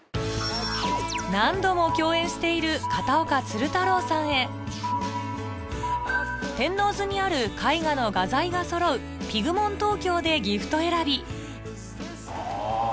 何度も共演している片岡鶴太郎さんへ天王洲にある絵画の画材がそろう「ＰＩＧＭＥＮＴＴＯＫＹＯ」でギフト選びあぁ